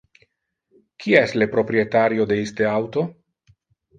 Qui es le proprietario de iste auto?